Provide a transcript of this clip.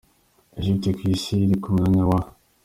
Egypte : ku isi iri ku mwanya wa .